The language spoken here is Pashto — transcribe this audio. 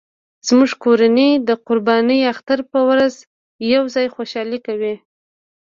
زموږ کورنۍ د قرباني اختر په ورځ یو ځای خوشحالي کوي